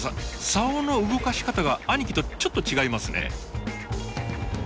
サオの動かし方が兄貴とちょっと違いますね。